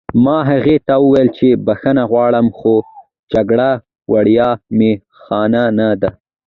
ما هغې ته وویل چې بښنه غواړم خو جګړه وړیا می خانه نه ده